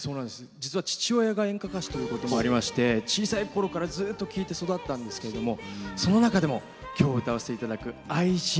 実は父親が演歌歌手ということもありまして小さいころからずっと聴いて育ったんですけれどもその中でも今日歌わせていただく「愛人」